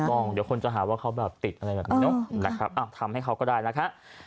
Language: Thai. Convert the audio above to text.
ต้องเดี๋ยวคนจะหาว่าเขาแบบติดอะไรแบบนี้เนอะนะครับทำให้เขาก็ได้นะคะ